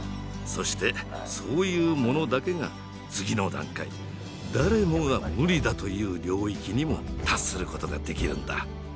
そしてそういう者だけが次の段階誰もが無理だと言う領域にも達することができるんだ。